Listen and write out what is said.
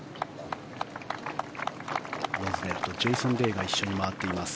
ロズネルとジェイソン・デイが一緒に回っています。